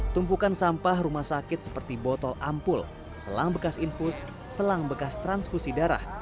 tumpukan sampah rumah sakit seperti botol ampul selang bekas infus selang bekas transkusi darah